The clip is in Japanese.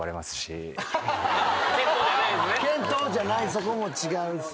そこも違うし。